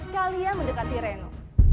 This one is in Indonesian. kalian mendekati reno